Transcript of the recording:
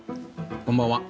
こんばんは。